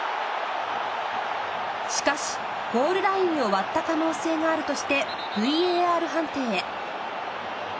しかしゴールラインを割った可能性があるとしてＶＡＲ判定へ。